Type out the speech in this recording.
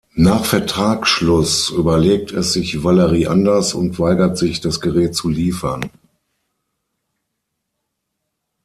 Nach Vertragsschluss überlegt es sich Valerie anders und weigert sich, das Gerät zu liefern.